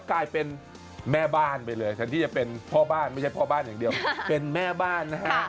กลายเป็นแม่บ้านไปเลยแทนที่จะเป็นพ่อบ้านไม่ใช่พ่อบ้านอย่างเดียวเป็นแม่บ้านนะฮะ